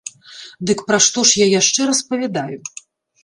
Дык пра што ж я яшчэ распавядаю?